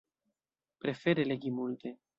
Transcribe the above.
Prefere legi multe.